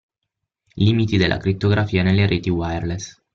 Limiti della crittografia nelle reti wireless.